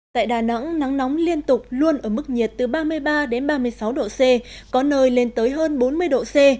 tại đà nẵng nắng nóng liên tục luôn ở mức nhiệt từ ba mươi ba đến ba mươi sáu độ c có nơi lên tới hơn bốn mươi độ c